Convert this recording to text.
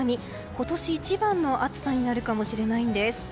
今年一番の暑さになるかもしれないんです。